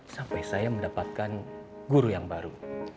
sampai saya mendapatkan guru yang baru